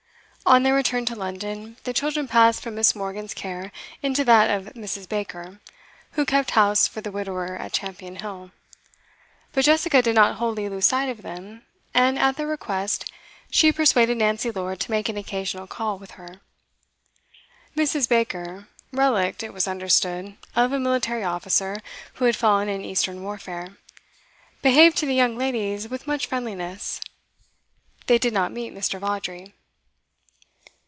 On their return to London, the children passed from Miss. Morgan's care into that of Mrs. Baker, who kept house for the widower at Champion Hill; but Jessica did not wholly lose sight of them, and, at their request, she persuaded Nancy Lord to make an occasional call with her. Mrs. Baker (relict, it was understood, of a military officer who had fallen in Eastern warfare) behaved to the young ladies with much friendliness. They did not meet Mr. Vawdrey.